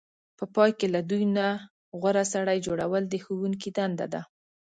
په پای کې له دوی نه غوره سړی جوړول د ښوونکو دنده ده.